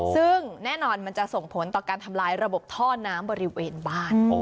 ซึ่งแน่นอนมันจะส่งผลต่อการทำลายระบบท่อน้ำบริเวณบ้าน